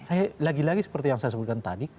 saya lagi lagi seperti yang saya sebutkan tadi